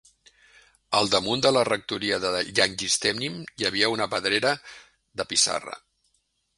Al damunt de la rectoria de Llangystennin hi havia una pedrera de pissarra.